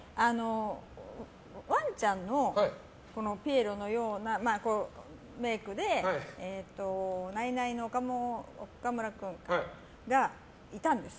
ワンちゃんのピエロのようなメイクでナイナイの岡村君がいたんです。